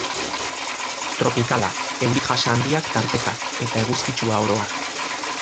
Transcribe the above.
Tropikala: euri-jasa handiak tarteka, eta eguzkitsua oro har.